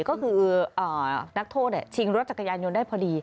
ก็คือนักโทษชิงรถจักรยานยนต์ได้พอดี